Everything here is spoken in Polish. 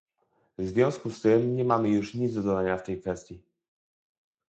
W związku z tym nie mamy już nic do dodania w tej kwestii